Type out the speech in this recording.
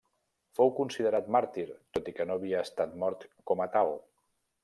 Fou considerat màrtir, tot i que no havia estat mort com a tal.